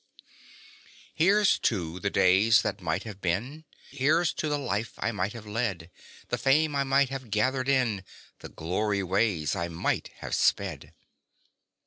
Here's to "The days that might have been"; Here's to "The life I might have led"; The fame I might have gathered in The glory ways I might have sped.